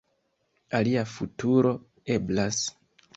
Alia futuro eblas.